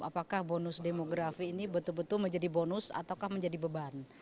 apakah bonus demografi ini betul betul menjadi bonus ataukah menjadi beban